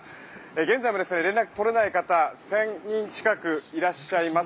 現在も連絡が取れない方１０００人近くいらっしゃいます。